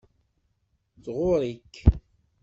Tɣurr-ik.